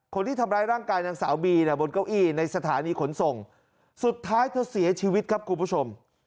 คนที่ทำร้ายร่างกายนางสาวบีเนี่ยบนเก้าอี้ในสถานีขนส่งสุดท้ายเธอเสียชีวิตครับคุณผู้ชม